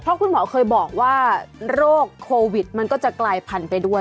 เพราะคุณหมอเคยบอกว่าโรคโควิดมันก็จะกลายพันธุ์ไปด้วย